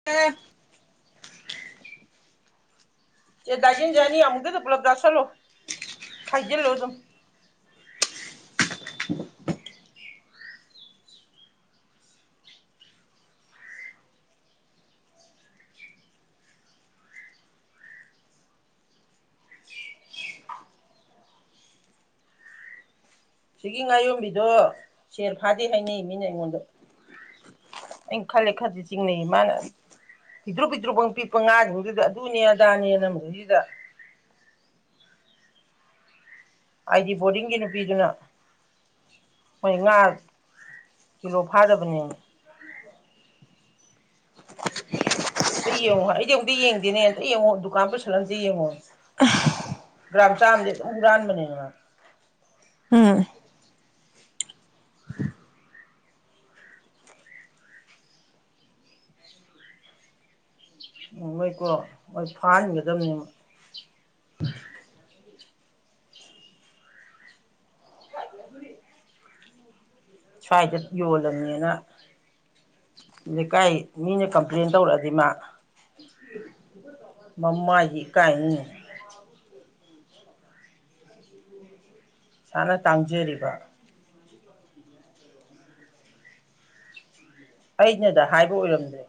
[unintelligible] [inaudible] ꯁꯦ ꯗꯥꯏꯁꯤꯟꯖꯦ ꯑꯅꯤ ꯑꯃꯨꯛꯇꯗ ꯄꯨꯂꯞ ꯆꯥꯁꯤꯜꯂꯨ ꯁꯥꯏꯖꯤꯜꯂꯨ ꯑꯗꯨꯝ ꯁꯤꯒꯤ ꯉꯥꯌꯣꯟꯕꯤꯗꯣ ꯁꯦꯜ ꯐꯥꯗꯦ ꯍꯥꯏꯅꯩ ꯃꯤꯅ ꯑꯩꯉꯣꯟꯗ ꯑꯩ ꯈꯜꯂꯦ ꯈꯥꯖꯤꯛ ꯆꯤꯡꯅꯩ ꯃꯥꯅ ꯄꯤꯗ꯭ꯔꯨꯛ ꯄꯤꯗ꯭ꯔꯨꯛ ꯐꯪ ꯄꯤꯛꯄ ꯉꯥꯁꯤꯡꯗꯨꯗ ꯑꯗꯨꯅꯦ ꯑꯗꯥꯅꯦ ꯃꯁꯤꯗ ꯑꯩꯗꯤ ꯕꯣꯔꯗꯤꯡꯒꯤ ꯅꯨꯄꯤꯗꯨꯅ ꯍꯣꯏ ꯉꯥ ꯀꯤꯂꯣ ꯐꯥꯗꯕꯅꯦ [unintelligible] ꯑꯝꯇ ꯌꯦꯡꯉꯣ ꯑꯩꯗꯤ ꯑꯃꯨꯛꯇꯗꯤ ꯌꯦꯡꯗꯦꯅꯦ ꯌꯦꯡꯉꯣ ꯗꯨꯀꯥꯟ ꯄꯨꯁꯜꯂꯥ ꯌꯦꯡꯉꯣ ꯒ꯭ꯔꯥꯝ ꯆꯥꯝꯃꯗꯤ ꯑꯗꯨꯝ ꯍꯨꯔꯥꯟꯕꯅꯦꯕ ꯃꯥ ꯎꯝ ꯃꯣꯏꯀꯣ ꯃꯣꯏ ꯐꯥꯍꯟꯒꯗꯕꯅꯦ [unintelligible] ꯁ꯭ꯋꯥꯏꯗ ꯌꯣꯜꯂꯝꯅꯦꯅ ꯂꯩꯀꯥꯏ ꯃꯤꯅ ꯀꯝꯄ꯭ꯂꯦꯟ ꯇꯧꯔꯛꯑꯗꯤ ꯃꯥ ꯃꯃꯥꯏꯁꯦ ꯏꯀꯥꯏꯅꯤꯅꯦ ꯏꯁꯥꯅ ꯇꯥꯡꯖꯔꯤꯕ ꯑꯩꯅꯗ ꯍꯥꯏꯕ ꯑꯣꯏꯔꯝꯗ꯭ꯔꯦ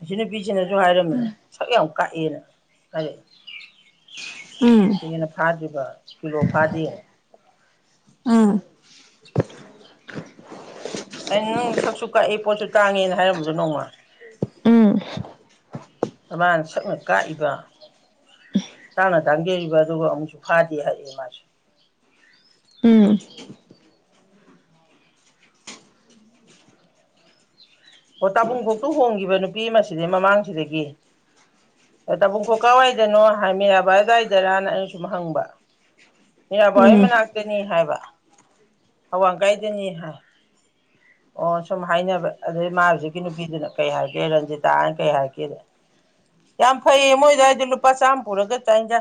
ꯑꯁꯤ ꯅꯨꯄꯤꯁꯤꯅꯁꯨ ꯍꯥꯏꯔꯝꯃꯦꯅꯦ ꯁꯛ ꯌꯥꯝ ꯀꯛꯑꯦꯅ ꯍꯥꯏꯔꯛꯑꯦ ꯎꯝ ꯍꯦꯟꯅ ꯐꯥꯗ꯭ꯔꯤꯕ ꯀꯤꯂꯣ ꯐꯥꯗꯦ [unintelligible] ꯑꯩ ꯅꯪ ꯁꯛꯁꯨ ꯀꯛꯑꯦ ꯄꯣꯠꯁꯨ ꯇꯥꯡꯉꯦꯅ ꯍꯥꯏꯔꯝꯕꯗꯣ ꯅꯣꯡꯃ ꯎꯝ ꯃꯥꯅ ꯁꯛꯅ ꯀꯥꯛꯏꯕ ꯆꯥꯅ ꯇꯥꯡꯖꯔꯤꯕ ꯑꯗꯨꯒ ꯑꯃꯨꯛꯁꯨ ꯐꯥꯗꯦ ꯍꯥꯏꯔꯛꯑꯦ ꯃꯥꯁꯨ ꯎꯝ ꯑꯣ ꯇꯥꯕꯨꯡꯈꯣꯛꯇ ꯍꯣꯡꯈꯤꯕ ꯅꯨꯄꯤ ꯑꯃꯁꯤꯗꯤ ꯃꯃꯥꯡꯁꯤꯗꯒꯤ ꯇꯥꯕꯨꯡꯈꯣꯛ ꯀꯥꯏꯋꯥꯏꯗꯅꯣ ꯍꯥꯏ ꯃꯤꯔꯥꯕꯥꯏ ꯑꯗꯨꯋꯥꯏꯗꯔꯅ ꯑꯩꯅ ꯁꯨꯝ ꯍꯪꯕ ꯃꯤꯔꯥꯕꯥꯏ ꯍꯣꯏ ꯃꯅꯥꯛꯇꯅꯤ ꯍꯥꯏꯕ ꯑꯋꯥꯡꯀꯥꯏꯗꯅꯤ ꯍꯥꯏ ꯑꯣ ꯁꯨꯝ ꯍꯥꯏꯅꯕ ꯑꯗꯩ ꯃꯥ ꯍꯧꯖꯤꯛꯀꯤ ꯅꯨꯄꯤꯗꯨꯅ ꯀꯩ ꯍꯥꯏꯔꯒꯦ ꯔꯟꯖꯤꯇꯥ ꯍꯥꯏꯅ ꯀꯩ ꯍꯥꯏꯔꯛꯒꯦꯗ ꯌꯥꯝ ꯐꯩꯌꯦ ꯃꯣꯏꯗꯋꯥꯏꯗ ꯂꯨꯄꯥ ꯆꯥꯝꯃ ꯄꯨꯔꯒ ꯆꯥꯛ ꯍꯦꯟꯖꯥ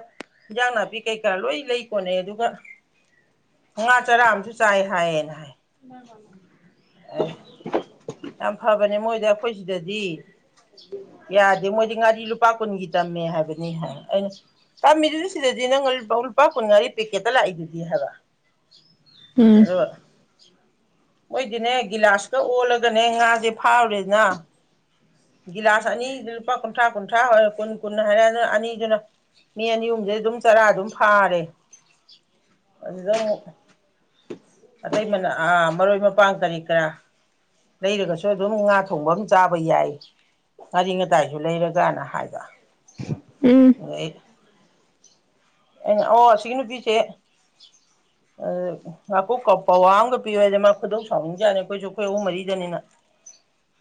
ꯏꯟꯖꯥꯡ ꯅꯥꯄꯤ ꯀꯩꯀꯥ ꯂꯣꯏ ꯂꯩ ꯀꯣꯟꯅꯩ ꯑꯗꯨꯒ ꯉꯥ ꯆꯔꯥ ꯑꯃꯁꯨ ꯆꯥꯏ ꯍꯥꯏꯌꯦꯅ ꯍꯥꯏ [unintelligible] ꯑꯦ ꯌꯥꯝ ꯐꯕꯅꯦ ꯃꯣꯏꯗ ꯑꯩꯈꯣꯏ ꯁꯤꯗꯗꯤ ꯌꯥꯗꯦ ꯃꯣꯏꯗꯤ ꯉꯥꯔꯤ ꯂꯨꯄꯥ ꯀꯨꯟꯒꯤ ꯇꯝꯃꯦ ꯍꯥꯏꯕꯅꯤ ꯍꯥꯏ ꯑꯩꯅ [unintelligible] ꯇꯝꯃꯤꯗꯨꯗꯤ ꯁꯤꯗꯗꯤ ꯅꯪ ꯂꯨ ꯂꯨꯄꯥ ꯀꯨꯟ ꯉꯥꯔꯤ ꯄꯦꯛꯀꯦꯠꯇ ꯂꯥꯛꯏꯗꯨꯗꯤ ꯍꯥꯏꯕ ꯎꯝ [unintelligible] ꯃꯣꯏꯗꯤꯅꯦ ꯒꯤꯂꯥꯁꯀ ꯑꯣꯜꯂꯒꯅꯦ ꯉꯥꯖꯦ ꯐꯥꯎꯔꯦꯗꯅꯥ ꯒꯤꯂꯥꯁ ꯑꯅꯤ ꯂꯨꯄꯥ ꯀꯨꯟꯊ꯭ꯔꯥ-ꯀꯨꯟꯊ꯭ꯔꯥ ꯀꯨꯟ-ꯀꯨꯟ ꯍꯥꯏꯔꯦꯗꯅ ꯑꯅꯤꯗꯨꯅ ꯃꯤ ꯑꯅꯤꯍꯨꯝꯖꯦ ꯑꯗꯨꯝ ꯆꯔꯥ ꯑꯗꯨꯝ ꯐꯥꯔꯦ ꯑꯗꯨꯗ ꯑꯃꯨꯛ ꯑꯇꯩ ꯃꯅꯥ ꯑꯥ ꯃꯔꯣꯏ ꯃꯄꯥꯡ ꯀꯔꯤ ꯀꯔꯥ ꯂꯩꯔꯒꯁꯨ ꯑꯗꯨꯝ ꯉꯥꯊꯣ ꯊꯣꯡꯕꯝ ꯆꯥꯕ ꯌꯥꯏ ꯉꯔꯤ-ꯉꯗꯥꯏꯁꯨ ꯂꯩꯔꯒꯥꯅ ꯍꯥꯏꯕ [unintelligible] ꯑꯩꯅ ꯑꯣ ꯑꯁꯤꯒꯤ ꯅꯨꯄꯤꯁꯦ ꯑ ꯉꯥꯄꯨꯞ ꯀꯞ ꯄꯧꯋꯥ ꯑꯝꯒ ꯄꯤꯌꯨ ꯍꯥꯏꯗ ꯃꯥ ꯈꯨꯗꯧ ꯁꯥꯎꯅꯤꯡꯖꯥꯠꯅꯤ ꯑꯈꯣꯏꯁꯨ ꯑꯈꯣꯏ ꯑꯍꯨꯝ ꯃꯔꯤꯗꯅꯤꯅ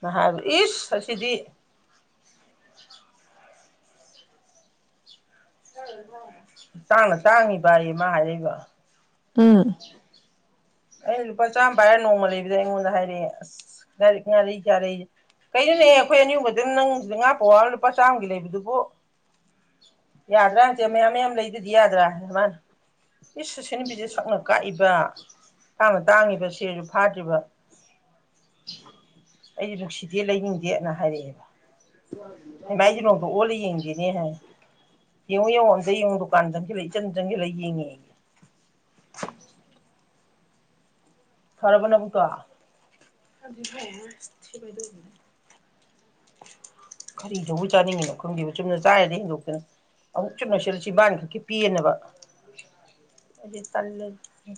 ꯅ ꯍꯥꯏꯕ ꯏꯁ ꯑꯁꯤꯗꯤ [inaudible] ꯆꯥꯡꯅ ꯇꯥꯡꯉꯤꯕꯌꯦ ꯃꯥ ꯍꯥꯏꯔꯛꯏꯕ ꯎꯝ- ꯑꯩꯅ ꯂꯨꯄꯥ ꯆꯥꯝ ꯄꯥꯏꯔ ꯅꯣꯡꯃ ꯂꯩꯕꯗ ꯑꯩꯉꯣꯟꯗ ꯍꯥꯏꯔꯛꯑꯦ ꯑꯁ ꯉꯥꯔꯤꯛ ꯉꯥꯔꯤ ꯌꯥꯥꯔꯩ ꯀꯩꯩꯅꯤꯅꯦꯍꯦ ꯑꯩꯈꯣꯏ ꯑꯅꯤꯌꯨꯝꯈꯗꯪ ꯅꯪ ꯉꯥ ꯄꯧꯋꯥ ꯑꯝ ꯂꯨꯄꯥ ꯆꯥꯝꯃꯒꯤ ꯂꯩꯕꯗꯨꯕꯨ ꯌꯥꯗ꯭ꯔꯥꯖꯦ ꯃꯌꯥꯝ-ꯃꯌꯥꯝ ꯂꯩ ꯑꯗꯨꯗꯤ ꯌꯥꯗ꯭ꯔꯥ ꯃꯥꯅ ꯏꯁ ꯁꯨꯁꯤꯟ ꯅꯨꯕꯤꯁꯦ ꯁꯛꯅ ꯀꯥꯛꯏꯕ ꯇꯥꯡꯅ ꯇꯥꯡꯉꯤꯕ ꯁꯦꯖꯨ ꯐꯥꯗ꯭ꯔꯤꯕ ꯑꯩꯗꯤ ꯅꯨꯡꯁꯤꯗꯦ ꯂꯩꯅꯤꯡꯗꯦꯅ ꯍꯥꯏꯔꯛꯑꯦꯕ ꯍꯥꯏꯃꯥ ꯑꯩꯗꯤ ꯅꯣꯡꯇ ꯑꯣꯜꯂ ꯌꯦꯡꯗꯦ ꯑꯦꯍ ꯌꯦꯡꯉꯨ-ꯌꯦꯡꯉꯨ ꯑꯝꯇ ꯌꯦꯡꯉꯨ ꯗꯨꯀꯥꯟ ꯆꯪꯖꯤꯜꯂ ꯏꯆꯟ ꯆꯪꯖꯤꯜꯂ ꯌꯦꯡꯉꯦ ꯐꯔꯕ ꯅꯕꯨꯛꯇꯣ? ꯈꯔꯤꯗꯧꯕꯩ ꯆꯥꯅꯤꯡꯉꯤꯅꯣ ꯈꯪꯗꯦꯕ ꯆꯨꯝꯅ ꯆꯥꯏꫪꯤꯗꯩ ꯍꯦꯟꯗꯣꯛꯇꯅ ꯑꯃꯨꯛ ꯆꯨ ꯃꯦꯁꯤꯜꯂꯨ ꯆꯤꯕꯥꯟ ꯁꯤꯗꯤ ꯄꯦꯟꯅꯕ ꯑꯩꯗꯤ ꯇꯜꯂꯦꯗ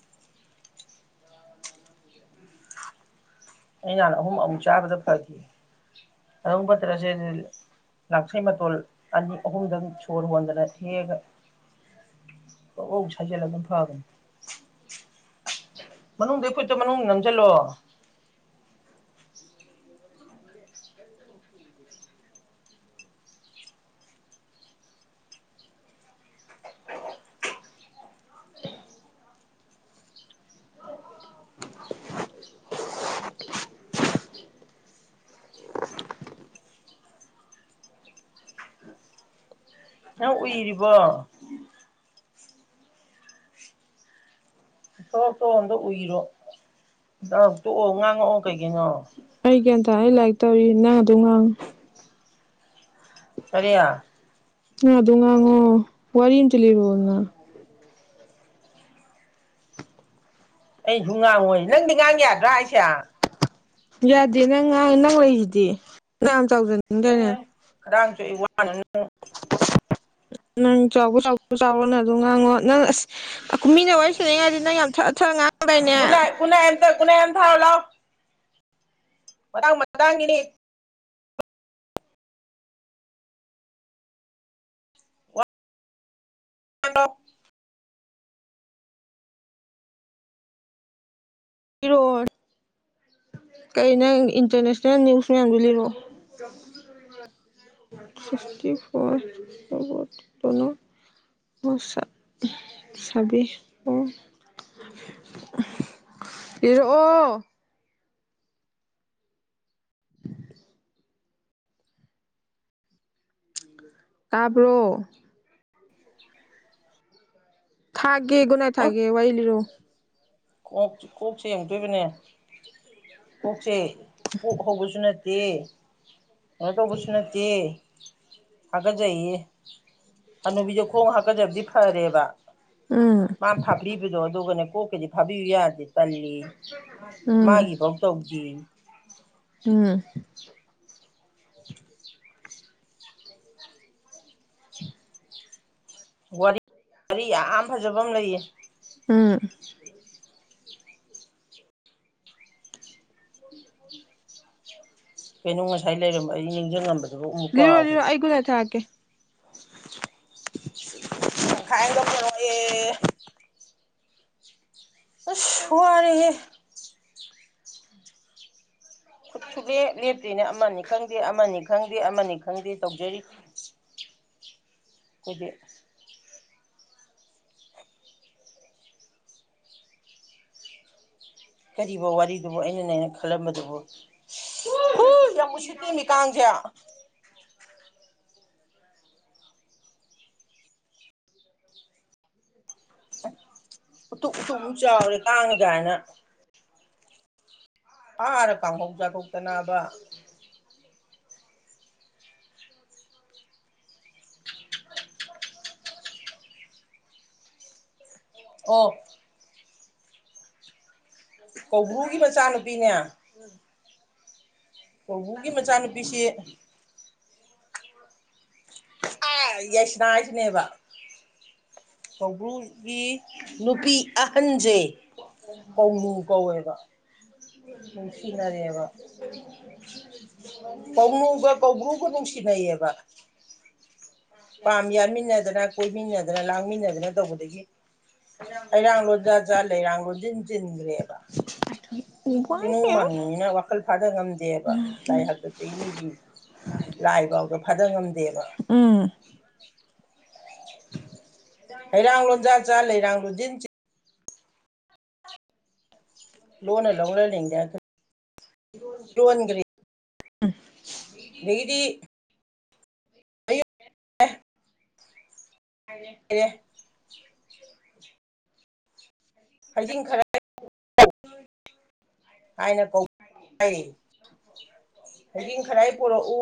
[inaudible] ꯑꯩ ꯅꯍꯥꯟ ꯑꯍꯨꯝ ꯑꯃꯨꯛ ꯆꯥꯕꯗ ꯐꯒꯤ ꯑꯗꯨꯝ ꯐꯠꯇ꯭ꯔꯁꯦꯗ ꯂꯥꯡꯊꯔ꯭ꯩ ꯃꯇꯣꯜ ꯑꯅꯤ ꯑꯍꯨꯝꯗꯪ ꯁꯣꯔ ꯍꯣꯟꯗꯅ ꯍꯦꯛꯑꯒ ꯀꯛ ꯑꯧ ꯁꯥꯖꯜꯂ ꯑꯗꯨꯝ ꯐꯕꯅꯤ ꯃꯅꯨꯡꯗꯩ ꯐꯨꯏꯠꯇꯨ ꯃꯅꯨꯡ ꯅꯝꯖꯤꯜꯂꯣ ꯅꯪ ꯎꯏꯔꯤꯕꯣ? ꯊꯣꯛ ꯇꯣ ꯑꯝꯗ ꯎꯏꯔꯣ ꯗꯛ ꯇꯣꯛꯑꯣ ꯉꯥꯡꯉꯛꯑꯣ ꯀꯩꯒꯤꯅꯣ ꯑꯩ ꯒ꯭ꯌꯥꯟ ꯇꯥꯔꯦ ꯂꯥꯏꯛ ꯇꯧꫪꯤ ꯅꯪ ꯑꯗꯨꯝ ꯉꯥꯡꯉꯨ ꯀꫪꯤ ꯅ‌ ꯑꯗꯨꯝ ꯉꯥꯡꯉꯣ ꯋꯥꯔꯤꯝꯇ ꯂꯩꯔꯛꯑꯣꯗꯅ ꯑꯩꯁꯨ ꯉꯥꯡꯉꯣꯏ ꯅꯪꯗꯤ ꯉꯥꯡ ꯌꯥꯗ꯭ꯔꯥ ꯍꯥꯏꯁꯦ ꯌꯥꯗꯦ ꯅꯪ ꯉꯥꯡ ꯅꯪ ꯂꯩꯖꯤꯗꯤ ꯌꯥꯝ ꯆꯥꯎꯖꯅꯤ ꯑꯦ ꯈꯗꯥꯡ ꯆꯣꯛꯑꯦ ꯋꯥꯅꯥꯅ ꯅꯪ ꯆꯥꯎꯕ ꯆꯥꯎ ꯆꯥꯎꯔꯣ ꯅ ꯑꯗꯨꯝ ꯉꯥꯡꯉꯣ ꯅꯪ ꯑꯁ ꯑꯀꯨꯝ ꯃꯤꯅ ꯋꯥꯏ ꯁꯥꯟꯅꯩꯉꯥꯏꯗ ꯅꯪ ꯌꯥꯝ ꯊꯠꯂ-ꯊꯠꯂ ꯉꯥꯡꯗꯥꯏꯅꯦ ꯒꯨꯅꯥꯏ ꯑꯝꯇ ꯒꯨꯅꯥꯏ ꯑꯝ ꯊꯥꯔꯣꯂꯥꯎ ꯃꯇꯥꯡ ꯃꯇꯥꯡꯒꯤꯅꯤ [inaudible] ꯏꯔꯣꯏ- ꯀꯩ ꯅꯪ ꯏꯟꯇꯔꯅꯦꯁꯅꯦꯜ ꯅ꯭ꯌꯨꯁ ꯃꯌꯥꯝꯗꯨ ꯂꯤꯔꯣꯛ ꯁꯤꯁꯇꯤꯐꯤꫪ ꯑꯣ ꯁꯞ ꯁꯕꯤ ꯑꯣ ꯏꯔꯛꯑꯣ - [unintelligible] ꯇꯥꯕ꯭ꯔꯣ? - [inaudible] ꯊꯥꯒꯦ ꯒꯨꯅꯥꯏꯠ ꯊꯥꯒꯦ ꯋꯥꫪꯤ ꯂꯤꯔꯣ ꯀꯣꯛ ꯀꯣꯛꯁ ꯑꯝꯗꯣꯏꯕꯅꯦ ꯀꯣꯛꯁꯦ ꯄꫭꯛ ꯍꯧꯕꯁꯨ ꯅꯠꯇꯦ ꯀꯩꯅꯣ ꯇꯧꯕꯁꯨ ꯅꯠꯇꯦ ꯍꯥꯒꯠꯆꯩꯌꯦ ꯑꯅꯨꯕꯤꯗ ꯈꯣꯡ ꯍꯥꯞꯀꯗꯕꯗꯤ ꯐꯔꯦꯕ ꯎꯝ ꯃꯥ ꯐꯥꯞꯕꯗꯣ ꯑꯗꯨꯒꯅꯦ ꯀꯣꯛꯀꯤꯗꯤ ꯊꯥꯕꯤꯌꯨ ꯌꯥꯗꯦ ꯇꯜꯂ‌ꯦꯌ‌ꯦ ꯎꯝ ꯃꯥꯒꯤꯐꯧ ꯇꯜꯂ‌ꯦꯌ‌ꯦ ꯎꯝ ꯋꯥꯔꯤ ꯌꯥꯝ ꯐꯖꯕ ꯑꯃ ꯂꯩꯌꯦ ꯎꯝ ꯀꯩꯅꯣ ꯉꯁꯥꯏ ꯂꯩꯔꯝꯕ ꯑꯩ ꯅꯤꯡꯁꯤꯡꯉꯝꯕꯗꯨꯒ ꯑꯃꯨꯛ ꯀꯥꯎꯒꯔ‌ꯦ ꯂꯦ ꯊꯥꯔꯛꯀ‌‌ꯦ [unintelligible] ꯄꫭꯔꯛꯑ‌ꯦ ꯎꯁ ꯋꯥꯔ‌ꯦꯍ‌ꯦ ꯈꯨꯠꯁꯨꯠꯂꯦ ꯂꯦꯞꯇ꯭ꯔꯤꯅꯦ ꯑꯃꯅꯤ ꯈꯪꯗꯦ ꯑꯃꯅꯤ ꯈꯪꯗꯦ ꯑꯃꯅꯤ ꯈꯪꯗꯦ ꯇꯧꯖꯔꯤ ꯈꯨꯗꯤ ꯀꯔꯤꯕ ꯋꯥꯔꯤꯗꯨꯕꯨ ꯑꯩꯅꯅꯦꯅ ꯈꯜꯂꯝꯕꯗꯨꯕꯨ ꯑ ꯍꯨ ꯎꯁꯤꯠꯇ‌ꯦꯅ‌ꯦ ꯀꯥꯡꯁꯦ [inaudible] ꯎꯇꯨꯞ ꯎꯇꯨꯞ ꯆꯥꯎꯔꯦ ꯀꯥꯡꯅ‌ꯦ ꯀꯥꯏꯅ ꯐꯥꯔ ꯀꯥꯡꯍꯧ ꯆꯥꯊꯣꯛꯇꯅꯕ ꯑꯣ ꯀꯧꯕ꯭ꯔꯨꯒꯤ ꯃꯆꯥꯅꯨꯄꯤꯅꯦ ꯀꯧꯕꯨꯒꯤ ꯃꯆꯥꯅꯨꯄꯤꯁꯤ ꯌꯦꯁꯅꯥ ꯍꯥꯏꯁꯤꯅꯦꯕ ꯀꯧꯕ꯭ꯔꯨꯒꯤ ꯅꯨꯄꯤ ꯑꯍꯟꯁꯦ ꯀꯧꯅꯨ ꯀꯧꯋꯦꯕ ꯅꯨꯡꯁꯤꯅꯔꯦꯕ [inaudible] ꯀꯥꯎꯅꯕ ꯎꯕ꯭ꯔꯨꯒ ꯅꯨꯡꯁꯤꯅꯏꯌꯦꯕ ꯄꯥꯝ ꯌꯥꯟꯃꯤꯟꯅꯗꯅ ꯀꯣꯏꯃꯤꯟꯅꯗꯅ ꯂꯥꯡꯃꯤꯟꯅꯗꯅ ꯇꯧꯕꯗꯒꯤ ꯍꯩꯔꯥꯡ ꯂꯣꯖꯥꯠ ꯆꯠꯂꯦ ꯏꯔꯥꯡ ꯂꯣꯁꯤꯟ ꯆꯤꯟꯗ꯭ꯔꯦ [inaudible] ꯆꯤꯅꯨꯡ ꯃꯥꯥꯅꯨꯅꯤꯅ ꯋꯥꯈꯜ ꯐꯥꯗ ꯉꯝꯗꯦꯕ ꯂꯥꯏ ꯍꯥꯇꯛꯇ ꯑꯗꯒꯤ ꯃꯤꯁꯤꯡ ꯂꯥꯏ ꯐꯥꯎꯗ ꯐꯥꯗ ꯉꯝꯗꯦꯕ ꯎꯝ ꯍꯩꯔꯥꯡ ꯂꯣꯟꯖꯥ ꯆꯥ ꯂꯩꯔꯥꯡ ꯂꯨꯗꯤꯟ ꯂꯣꯟꯅ ꯂꯧꯅ ꯂꯩꯅ ꯍ ꯌꫭꯟꯒꯔꯤ [unintelligible] ꯑꯗꯒꯤꯗꯤ ꯑꯦ ꯍꯥꯏꯌ‌ꯦ [unintelligible] ꯍꯩꯖꯤꯡ ꯈꯔ ꯍꯥꯏꯅ ꯀꯧꯕ ꯍꯌꯦꯡ ꯈꯔ ꯄꯨꯔꯛꯎ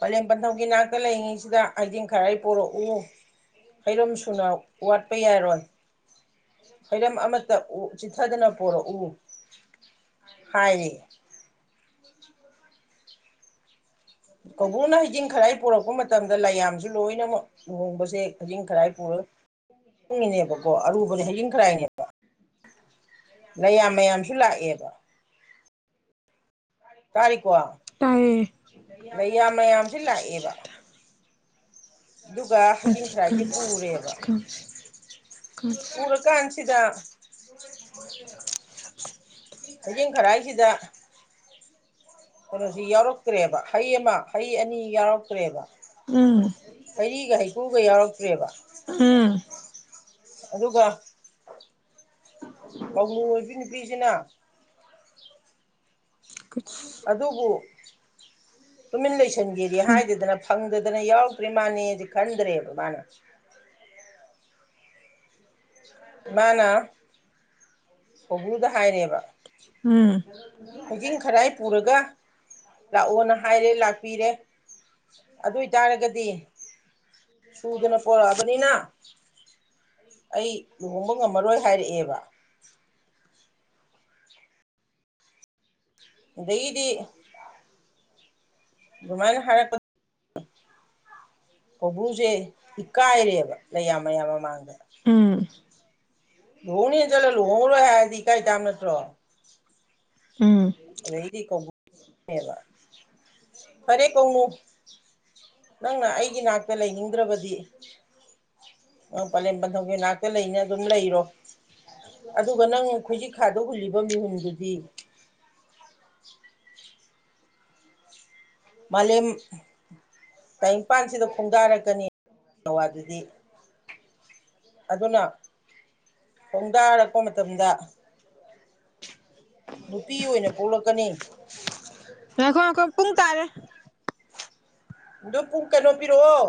ꯄꯂꯦꯝ ꯄꯟꯊꯧꯒꯤ ꯅꯥꯛꯇ ꯂꯩꯔꯤꯉꯩꯁꯤꯗ ꯍꯩꯗꯤꯡ ꯈꯔ ꯑꯩ ꯄꯣꯔꯛꯎ ꯍꯩꯔꯝ ꯁꯨꯅ ꯋꯥꯠꯄ ꯌꯥꯏꯔꯣꯏ ꯍꯩꯔꯝ ꯑꯃꯠꯇ ꯆꯤꯊꯗꯅ ꯄꯨꯔꯛꯎ ꯍꯥꯏꯅꯤ [inaudible] ꯀꯧꯕ꯭ꯔꯨꯅ ꯍꯩꯖꯤꯡ ꯈꯔꯥꯑꯩ ꯄꯣꯔꯛꯄ ꯃꯇꯝꯗ ꯂꯌꯥꯝꯁꯨ ꯂꯣꯏꯅꯃꯛ ꯂꯨꯍꯣꯡꯕꯁꯦ ꯍꯖꯤꯡ ꯈꯔꯥꯏ ꯄꯨꯔ ꯆꯣꯡꯉꯤꯅꯦꯕꯀꯣ ꯑꯔꯨꯕꯅꯦ ꯍꯖꯤꯡ ꯈꯔꯥꯏꯅꯦꯕ꯫ ꯂꯌꯥꯝ ꯃꯌꯥꯝꯁꯨ ꯂꯥꯛꯑꯦꯕ꯫ ꯇꯥꯔꯤꯀꯣ ꯇꯥꯏꯌꯦ ꯎꯝ ꯂꯩꯌꯥꯝ ꯃꯌꯥꯝꯁꯨ ꯂꯥꯛꯑꯦꯕ꯫ ꯑꯗꯨꯒ ꯍꯩꯖꯤꯡ ꯈꯔꯥꯏꯒꯤ ꯄꯨꯔꯦꯕ꯫ ꯎꯔ ꯀꯟꯁꯤꯗ꯫ [unintelligible] ꯍꯩꯖꯤꯡ ꯈꯔꯥꯏ ꯁꯤꯗ꯫ ꯀꯩꯅꯣꯁꯤ ꯌꯥꯎꯔꯛꯇ꯭ꯔꯦꯕ ꯍꯩ ꯑꯃ ꯍꯩ ꯑꯅꯤ ꯌꯥꯎꯔꯛꯇ꯭ꯔꯦꯕ꯫ ꯎꯝ꯫ ꯍꯩꯔꯤꯒ ꯍꯩꯀ꯭ꯔꯨꯒ ꯌꯥꯎꯔꯛꯇ꯭ꯔꯦꯕ꯫ ꯎꯝ꯫ ꯑꯗꯨꯒ ꯀꯧꯅꯨ ꯑꯣꯏꯕꯤ ꯅꯨꯄꯤꯁꯤꯅ꯫ [unintelligible] ꯑꯗꯨꯕꯨ ꯇꯨꯃꯤꯟ ꯂꯩꯁꯤꯟꯒꯦꯗꯤ ꯍꯥꯏꯗꯗꯅ꯫ ꯐꯪꯗꯗꯅ ꯌꯥꯎꯔꯛꯇ꯭ꯔꯤꯃꯥꯅꯦꯗꯤ ꯈꯟꯗ꯭ꯔꯦꯕ ꯃꯥꯅ꯫ ꯃꯥꯅꯥ꯫ ꯀꯧꯕ꯭ꯔꯨꯗ ꯍꯥꯏꯔꯦꯕ꯫ ꯎꯝ ꯍꯖꯤꯡ ꯈꯔꯥꯏ ꯄꯨꯔꯒ ꯂꯥꯛꯑꯣꯅ꯫ ꯍꯥꯏꯔꯦ ꯂꯥꯛꯄꯤꯔꯦ ꯑꯗꯨꯏꯇꯥꯔꯒꯗꯤ꯫ ꯁꯨꯗꯅ ꯄꯣꯔꯛꯑꯕꯅꯤꯅ꯫ ꯑꯩ ꯂꯨꯍꯣꯡꯕ ꯉꯝꯃꯔꯣꯏ ꯍꯥꯏꯔꯛꯑꯦꯕ꯫ ꯑꯗꯒꯤꯗꯤ꯫ ꯑꯗꯨꯃꯥꯏꯅ ꯍꯥꯏꯔꯛꯄ ꯀꯧꯕ꯭ꯔꯨꯁꯦ ꯏꯀꯥꯏꯔꯦꯕ ꯂꯩꯌꯥꯝ ꯃꯌꯥꯝ ꯃꯃꯥꯡꯗ꯫ ꯎꯝ꯫ ꯂꯨꯍꯣꯡꯅꯤꯅ ꯆꯠꯂꯒ ꯂꯨꯍꯣꯡꯉꯔꯣꯏ ꯍꯥꯏꯔꯗꯤ ꯏꯀꯥꯏ ꯇꯥꯝꯅꯤ ꯅꯠꯇ꯭ꯔꯣ꯫ ꯎꯝ꯫ ꯑꯗꯩꯗꯤ꯫ [inaudible] ꯐꯔꯦ ꯀꯧꯉꯨ ꯅꯪꯅ ꯑꯩꯒꯤ ꯅꯥꯛꯇ ꯂꯩꯅꯤꯡꯗ꯭ꯔꯕ ꯗꯤ ꯅꯪ ꯄꯂꯦꯝ ꯄꯟꯊꯧꯒꯤꯅꯥꯛꯇ ꯂꯩꯅꯤ ꯑꯗꯨꯝ ꯂꯩꯔꯣ꯫ ꯑꯗꯨꯒ ꯅꯪ ꯈꯣꯏꯖꯤ ꯈꯥꯗ ꯍꯨꯜꯂꯤꯕ ꯃꯤꯍꯨꯟꯗꯨꯗꯤ꯫ ꯃꯥꯂꯦꯝ꯫ ꯇꯥꯏꯪꯄꯥꯟꯁꯤꯗ ꯈꯣꯡꯗꯥꯔꯛꯀꯅꯤ ꯅꯋꯥꯗꯨꯗꯤ꯫ ꯑꯗꯨꯅ ꯈꯣꯡꯗꯥꯔꯛꯄ ꯃꯇꯝꯗ꯫ ꯅꯨꯄꯤ ꯑꯣꯏꯅ ꯄꯣꯛꯂꯛꯀꯅꯤ꯫ ꯉꯥꯏꯈꯣ ꯉꯥꯏꯈꯣ ꯄꯨꯡ ꯇꯥꯔꯦ꯫ ꯑꯗꯨ ꯄꯨꯡ ꯀꯩꯅꯣ ꯄꯤꯔꯛꯑꯣ꯫